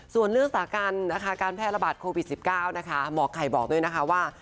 ส่วนเรื่องสาการนะคะการแพร่ระบาดโควิด๑๙นะคะหมอไก่บอกด้วยนะคะว่า